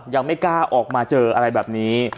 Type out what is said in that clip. ยังไม่กล้าออกมาเจออะไรแบบนี้